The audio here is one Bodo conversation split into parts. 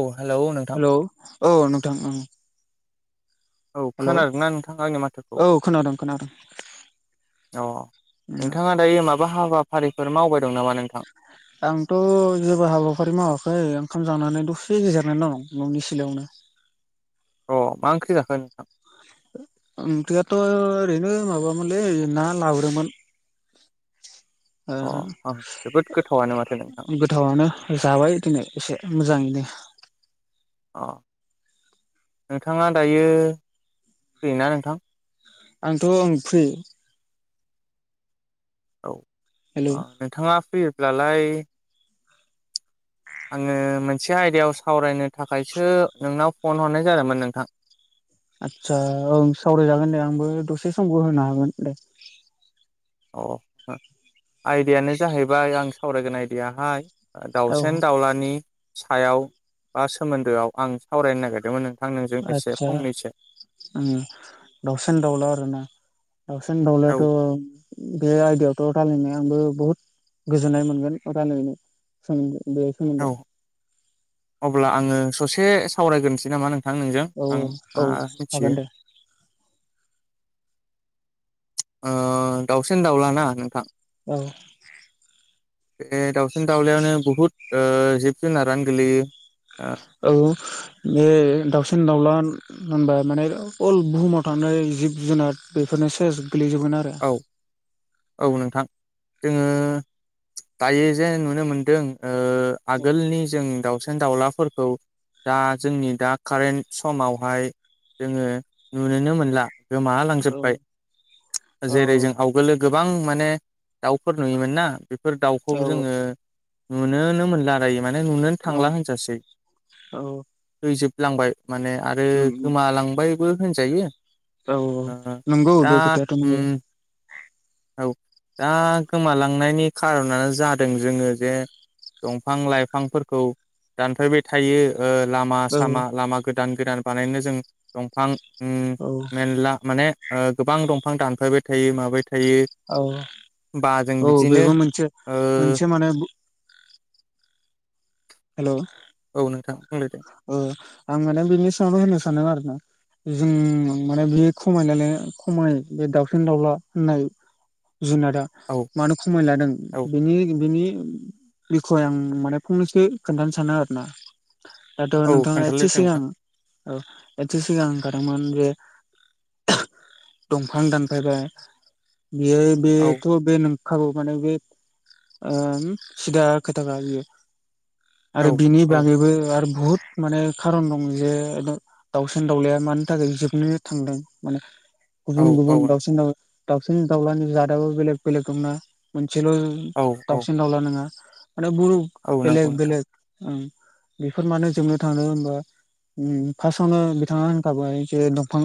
औ हेलौ नोंथां। हेलौ औ नोंथां औं। औ खोनादों ना नोंथां आंनि माथोखौ। औ खोनादों खोनादों अ नोंथाङा दायो माबा हाबाफारिफोर मावबाय। दं नामा नोंथां आंथ' जेबो हाबाफारि मावाखै ओंखाम। जानानै दसे जिरायनानै दं न'नि सिलायावनो। अ मा ओंख्रि जाखो नोंथां। ओंख्रैयाथ' ओरैनो माबामोनलै ना लाबोदोंमोन। अ जोबोद गोथावानो माथो। नोंथां गोथावनो जाबाय दिनै एसे मोजाङैनो। अ नोंथाङा दायो फैयोना नोंथां। आंथ' ओं फ्रि। औ हेलौ ओ नोंथाङा फैयोब्लालाय। आङो मोनसे आयदायाव सावरायनो थाखायसो नोंनाव फन हरनाय जादोंमोन नोंथां। [unintelligible] आदसा ओं सावरायजागोन दे आंबो दसे समबो होनो हागोन दे। अ आयदायानो जाहैबाय आं सावरायगोन आयदायाहाय। औ दाउसेन दाउलानि सायाव बा सोमोन्दोआव आं सावरायनो नागिरदोंमोन। नोंजों एसे फंनैसो। उम दाउसिन दाउला आरो ना दाउसेन औ दाउलाथ'। बे आयदायावथ' रायलायनो आंबो बहुत गोजोननाय मोनगोन रायलायनो सों। बे औ [unintelligible] अब्ला आङो ससे सावरायग्रोनोसै नामा नों। थां नोंजों औ आं औ हागोन मिथियो। दे ओ दाउसिन दाउलाना नोंथां। औ। बे दावसिन दाउलायावनो बुहुत ओ जिब जुनारानो गोलैयो। औ बे दाउसिन दाउला होनबा माने अल बुहुमाव थानाय। जिब जुनार बेफोरनो सेस गोलै जोबगोन आरो। ओ औ नोंथां जोङो दायो जे नुनो मोनदों ओ औ आगोलनि जों दाउसि। दाउलाफोरखौ दा जोंनि दा कारेन्ट समावहाय जोङो नुनोनो मोनला औ गोमालांजोबबाय औ जेरै जों आवगोलो गोबां माने दाउफोर नुयोमोन ना बेफोर दाउखौ जोङो औ नुनोनो मोनला दायो माने नुनोनो थांला होनजासै औ थैजोबलांबाय माने आरो औ गोमालांबायबो होनजायो औ ओ नंगौ दा बेथायाथ' उम नंगौ औ दा गोमालांनायनि खार'नानो जादों जोङो जे दंफां लाइफांफोरखौ दानफायबाय थायो लामा औ सामा लामा गोदान गोदान बानायनो जों दंफां औ मेनला माने गोबां दंफां दानफायबाय थायो माबाय थायो औ बा जों औ बिदिनो बेबो मोनसे ओ मोनसे माने हेल' औ औ नोंथां बुंलायदो आं माने बिनि सायावनो होनो सानदों आरो ना जों माने बे [unintelligible] खमाय बे दाावसिन दाउला होननाय जुनादआ औ मानो खमाय लादों औ बेनि बेनि बिखय आं माने फंनैसो खोन्थानो सानो आरो ना। दाथ' औ नोंथांआ एसे खोन्थालायदो सिगां नोंथां औ एथ' सिगां होनखादोंमोन जे दंफां दानफायबाय बेयो औ बेथ' बे नों खाबु माने बे ओम सिदा खोथाखा बियो। आरो औ बिनि औ बागैबो आरो बुहुत माने खारन दं जे दाउसिन दाउलाया मानि थाखाय जोबनो थांदों माने। औ गुबुन औ गुबुन नोंथां दाउसिन दाव दाउसिन दाउलानि जादाबो बेलेग बेलेग दंना। मासेल' औ औ दावसिन दावला नङा माने बु औ बेलेग नंगौ नोंथां बेलेग ओं बेफोर मानो जोबनो थांदों होनबा फार्स्टआवनो बिथाङा होनखाबाय जे दंफां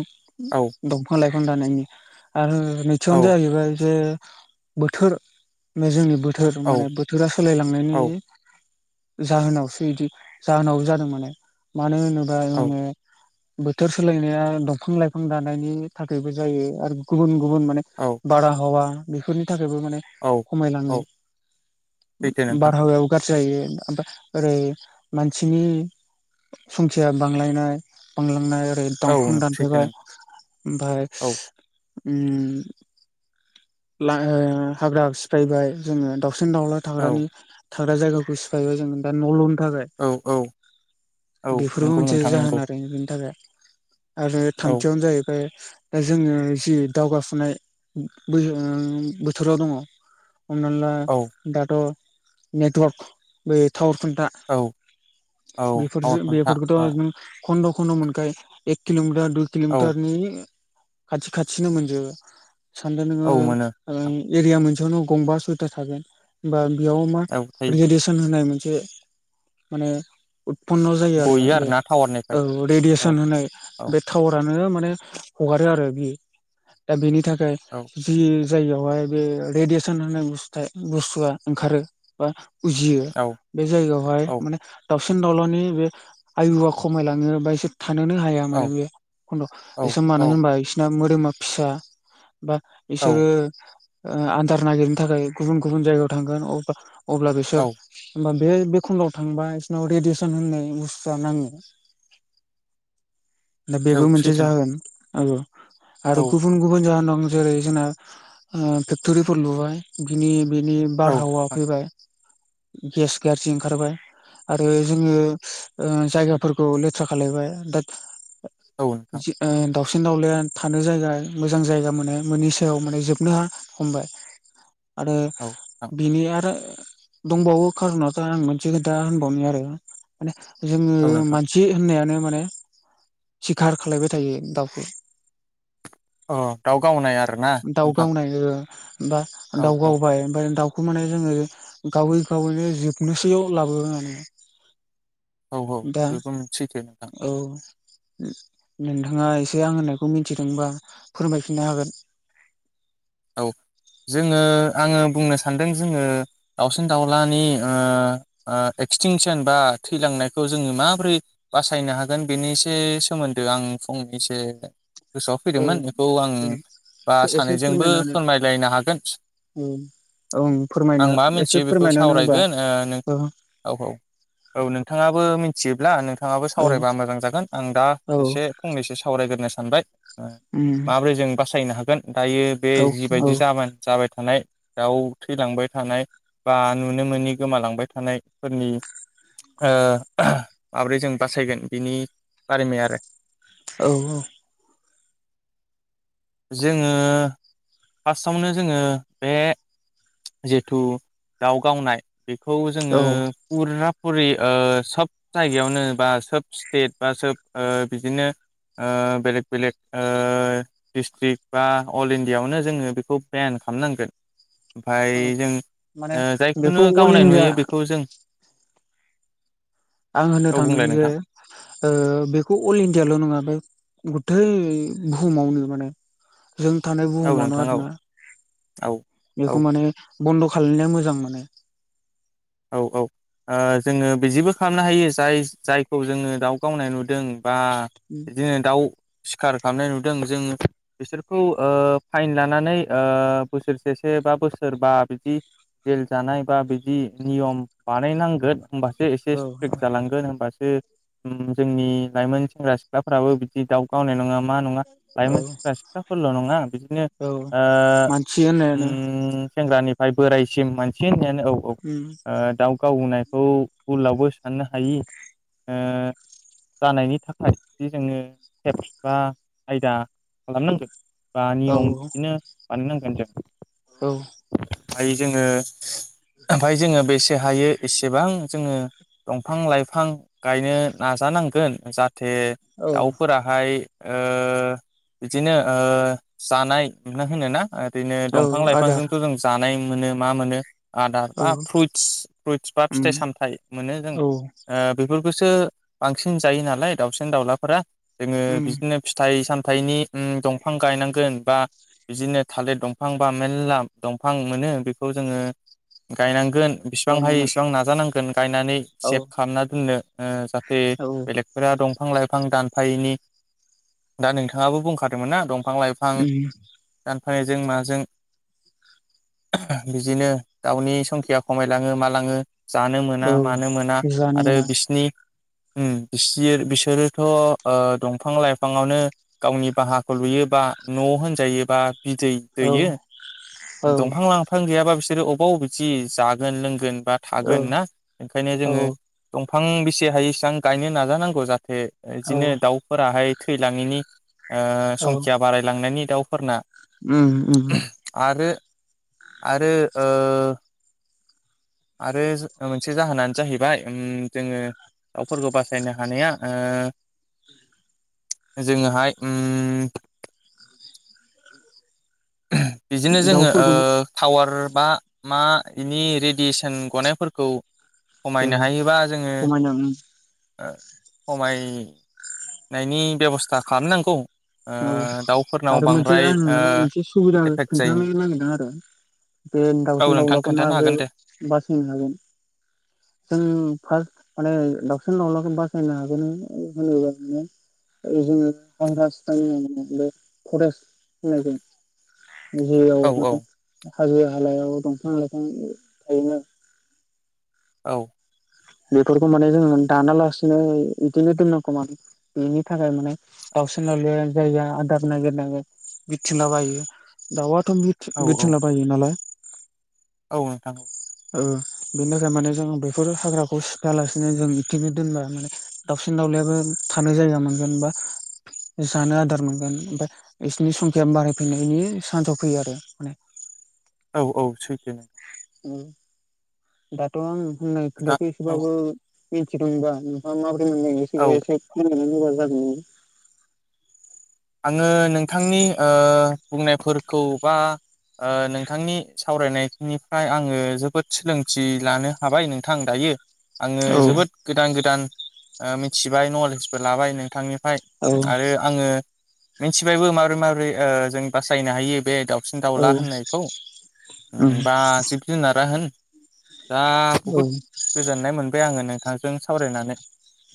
औ दंफां लाइफां दाननायनि आरो औ नैथियावनो जाहैबाय जे बोथोर बे जोंनि बोथोर औ माने बोथोरा सोलायलांनायनि औ जाहोनावसो बिदि जाहोनाव जादों माने मानो होनोबा जोङो बोथोर सोलायनाया दंफां लाइफां दानायनि थाखायबो जायो आरो गुबुन गुबुन माने औ बारहावा बेफोरनि था खायबो माने औ खमायलाङो औ सैथो नोंथां बारहावायाबो सैथो गाज्रि जायो इमफ्राय ओरै मानसिनि संखिया बांलायनाय बांलांनाय ओ औ दंफां नों सैथो दानफैबाय नोंथां ओमफ्राय औ ओ लाहो हाग्रा सिफायबाय जोङो दाव दावसिन दावला औ थाग्रानि थाग्रा जायगाखौ सिफायबाय जोंङो दा न' लुनो औ औ औ बेफोरबो नंगौ मोनसे नोंथां जाहोन नंगौ आरो बिनि थाखाय। आरो औ थामथियावनो जाहैबाय दा जोङो जि दावगाफुनाय बोजोङो बोथोराव दङ। हमना ला औ दाथ' नेटवर्क बे थावार खुन्था औ औ टावार बेफोरजों खुन्था औ बेफोरखौथ' नों खन्द' खन्द' मोनखायो एक किल'मिटार दुइ औ किल'मिटारनि खाथि खाथिनो मोनजो सान्दो औ नोङो मोनो नोंथां एरिया मोनसेयावनो गंबा सयटा थागोन बा बेयाव मा औ थायो रेयेडेसन होनाय मोन जे माने उदपन्न' जायो आरो गयो बे आरोना टावारनिफ्राय औ औ रेयेडेसन होनाय औ बे टावारानो म ने हगारो आरो बियो दा बेनि थाखाय औ जि जायगायावहाय बे रेडियसन होननाय बुस्थुआ ओंखारो बा उजियो औ बे जायगायावहाय औ माने दाावसिन दाउलानि बे आयुआ खमायलाङो बा एसे थानोनो हाया माने बे खन्द एसे मानो औ होनबा बिसोरना मोदैमा फिसा बा औ बिसोरो ओ आदार नागिरनो थाखाय गुबुन गुबुन जायगायाव थांगोन अब्ला अब्ला बिसोर होमबा बे बे खन्द'आव थांबा बिसोरनाव रेडियेसन होननाय बुस्थुआ नाङो। [inaudible] दा बेबो मोनसे सैथो जाहोन औ आरो नोंथां गुबुन गुबुन जाहोन दं जेरै जोंना ओ फेक्टरिफोर लुबाय बिनि बिनि औ बारहावा नोंथां फैबाय गेस गारजि ओंखारबाय। आरो जोङो ओ जायगाफोरखौ लेथ्रा खालायबाय दा औ नोंथां जि ओ द सिन दावलाया थानो जायगा मोजां जायगा मोने मोननि सायाव माने जोबनो हा हमबाय। आरो औ नोंथां बिनि आरो दंबावो खारनावथा आं मोनसे खोथा होनबावनो आरो माने जोङो औ नोंथां मानसि होननायानो माने सिखार खालायबाय थायो दाउखौ। अह दाउ गावनाय आरोना दाउ नोंथां। गावनाय बा औ दाउ औ गावबाय ओमफ्राय दाउखौ माने जोङो गावै गावैनो जोबनोसैयाव लाबोबाय माने औ औ दा बेबो सैथो नोंथां औ । नोंथाङा एसे आं होननायखौ मिथिदोंबा फोरमायफिननो हागोन । औ । जोङो आंङो बुंनो सान्दों जोङो दाउसिन दाउलानि ओ ओ एक्सटिंसन बा थैलांनायखौ जोङो माबोरै बासायनो हागोन बेनि एसे सोमोन्दै आं फंनैसो गोसोआव औ फैदोंमोन बेखौ आं औ बा एसे सानैजोंबो फोरमायनानै फोरमायलायनो हागोन । औ ओं आं फोरमायनो मा एसे मिथियो बेखौ फोरमायनानै होबा सावरायगोन ओ नों औ औ औ औ नोंथाङाबो मिथियो ब्ला नोंथाङाबो औ सावरायबा मोजां जागोन आं दा औ एसे फंनैसो सावरायग्रोनो सानबाय । उम माबोरै जों बासायनो हागोन दायो बे औ औ जिबायदि जाबोन जाबाय थानाय दाउ थैलांबाय थानाय बा नुनो मोनोनि गोमालांबाय थानायफोरनि ओ माब्रै जों बासायगोन बिनि बारैमै आरो । औ औ । जोङो फार्स्टआवनो जोङो बे जिथु दाव गावनाय बेखौ जोङो औ पुरना पुरि ओ सोब जायगायावनो बा सोब स्टेट बा सोब ओ बिदिनो ओ बेलेक बेलेक ओ डिस्ट्रिक्ट बा अल इण्डियाआवनो जोङो बेखौ बेन खालामनांगोन । औ ओमफ्राय जों माने बेखौ जायखौनो अल गावनाय इण्डिया नुयो बेखौ जों आं होननो औ थांदों बुंलाय जे नोंथां ओ बेखौ अल इण्डियाल' नङा बे गुथै बुहुमावनि माने जों थानाय औ बुहुमावनो नोंथां औ आरोना औ औ बेखौ माने बन्द' खालायनाया मोजां माने औ औ । ओ जोङो बेजिबो खालामनो हायो जाय जायखौ जोङो दाउ गावनाय नुदों बा बिदिनो दाउ सिखार खालामनाय नुदों जों बिसोरखौ ओ फाइन लानानै ओ बोसोरसेसो बा बोसोरबा बिदि जेल जानाय बा बिदि नियम बानायनांगोन होमबासो एसे औ स्ट्रिक जालांगोन होमबासो उम्म जोंनि लाइमोन सेंग्रा सिख्लाफ्राबो बिदि दाउ गावनाय नङामो मा नङा औ लाइमोन सेंग्रा सिख्लाफोरल' नङा बिदिनो औ ओ उम [unintelligible] सेंग्रानिफ्राय बोरायसिम मानसि होननायानो औ उम औ दाउ गावनायखौ बुलावबो साननो हायि ओ जानायनि थाखाय जे जोङो केप्स बा आयदा खालामनांगोन । बा औ नियम बिदिनो बानायनांगोन जों । औ । ओमफाय जोङो ओमफाय जोङो बेसे हायो एसेबां जोङो दंफां लाइफां गायनो नाजानांगोन जाहाथे औ दाउफोराहाय ओ बिदिनो ओ जानाय खौनो होनोना? बिदिनो औ दंफां आदार लाइफांजोंथ' जों जानाय मोनो मा मोनो आर औ बा फ्रुइटस फ्रुइटस बा उम फिथाइ सामथाय मोनो जों औ ओ बेफोर सो बांसिन जायो नालाय दाउसेन दाउलाफोरा जोङो उम बिदिनो फिथाइ साम थायनि उम्म दंफां गायनांगोन बा बिदिनो थालिर दंफां बा मेरला दंफां मोनो बेखौ जोङो गायनांगोन बिसिबां हायो बायनांगोन इसेबां नाजानांगोन गायनानै औ सेभ खालामना दोननो ओ जा दे औ बेलेगफोरा दंफां लाइफां दानफायैनि दा नोंथाङाबो बुंखादोंमोन ना दं फां लाइफां उम दानफायजों माजों बिदिनो दाउनि संखिया खमायलांङो मालांङो जानो मोना औ मानो मोना जानो आरो मोना बिसिनि उम। बिसोर बिसोरोथ' ओ दंफां लाइफाङावनो गावनि बाहाखौ लुयो बा न' न' होनजायोबा बिदै औ दैयो औ दंफां लाफां गैयाबा बिसोरो अ बाव अबावदि जागोन लोंगोन बा थागोन ना ओंखायनो जोङों औ दं फां बेसे हायो इसेबां गायनो नाजानांगौ जाहाथे औ इदिनो दाउफोराहाय थैलांङैनि ओ संखिया बारायलांनायनि दाउफोरना। उम उम। आरो आरो ओ आरो जो मोनसे जाहोनानो जाहैबाय ओम जोंङो दाउफोरखौ बासायनो हानाया ओ जोङोहाय उम बिदिनो जोंङो ओ दाउफोरखौबो टावार बा मा इनि रेडियेसन गनायफोरखौ औ खमायनो हायोबा जोंङो खमायनो ओ खमायनायनि बेबस्था खालामनांगौ। ओ औ दाउफोरनाव आरो मोनसे बांद्राय आं ओ माने मोनसे सुबिदा एफेक्ट खोन्थानो जायैनि। [inaudible] नागिरदों आरो बे औ दाउसिन नोंथां दाउलाखौ खोन्थानो माब्रै हागोन दे बासायनो हागोन? जों फास माने दाउसिन दावउलाखौ बासायनो हागोन होनोबा [inaudible] ओ जोंङो माखासे [unintelligible] होनलायदों जेराव औ औ माने हाजो हालायाव दंफां लाइफां थायोना? औ। बेफोरखौ माने जों दानालासिनो इदिनो दोननांगौ माने बेनि थाखाय माने दाउसिन दावलायानो जायगा आदार नागिर नागिर बिरथिंला बायो दाउआ एथम औ बिरथिं औ बिरथिंला बायो नालाय औ नोंथां। ओ बेनि थाखाय माने जोङो बेफोर हाग्राखौ सिफायालासिनो जों बिदिनो दोनब्ला माने दाव सिन दावलायाबो थानो जायगा मोनगोन बा जानो आदार मोनगोन ओमफाय इसिनि संखिया बारायफैनायनि सान्साव फैयो आरो माने। औ औ सैथो। उम दाथ' आं बुंनाय दा खोथाखौ औ एसेबाबो मिथिगौमोनबा नोंथांङा माबोरै। औ [unintelligible] होनबा जागौमोन। आंङो नोंथांनि ओ बुंनायफोरखौ बा ओ नोंथांनि सावरायनायनिफ्राय आंङो जोबोद सोलोंथि लानो हाबाय नोंथां दायो। आंङो औ जोबोद गोदान गोदान ओ मिथिबाय नलेजबो लाबाय नोंथांनि फाय औ आरो आंङो मिथिबायबो माबरै मारै ओ जों बासायनो हायो बे दाउ सिन औ दावला होननायखौ ओ उम बा जिब जुनारा होन दा औ बहुद उम गोजोननाय मोनबाय आंङो नोंथांजों सावरायनानै।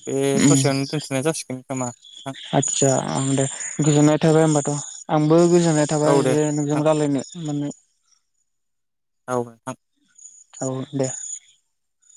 बे ससेयावनो दोनथ'नाय जासिगोन खोमा नोंथां। आदसा आं दे गोजोननाय थाबाय होनबाथ' आंबो गोजोननाय थाबाय औ दे जे नोंजों नोंथां रालायनो मोनना। औ नोंथां। औ दे।